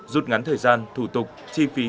rút ngắn thời gian thủ tục chi phí